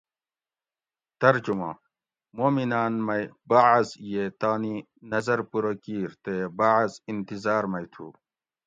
ترجمہ : مومناں مئ بعض ۓ تانی نزر پورہ کِیر تے بعض انتظار مئی تُھو